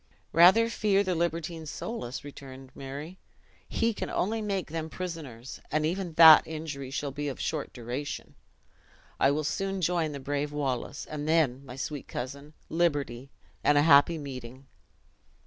"Rather fear the libertine Soulis," returned Murray, "he can only make them prisoners; and even that injury shall be of short duration. I will soon join the brave Wallace; and then, my sweet cousin, liberty, and a happy meeting!"